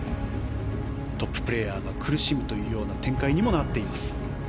トッププレーヤーが苦しむ展開にもなっています。